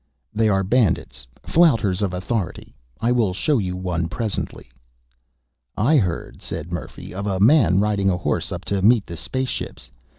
"They are bandits, flouters of authority. I will show you one presently." "I heard," said Murphy, "of a man riding a horse up to meet the space ships.